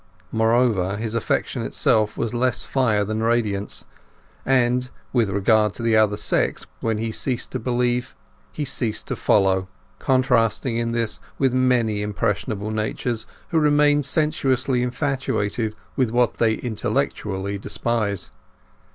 Moreover, his affection itself was less fire than radiance, and, with regard to the other sex, when he ceased to believe he ceased to follow: contrasting in this with many impressionable natures, who remain sensuously infatuated with what they intellectually despise.